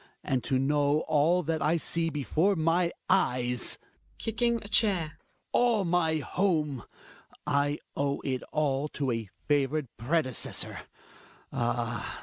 And to know all that I see before my eyes (Kicking a chair.) — All my home — I owe it all to a favored predecessor. Ah!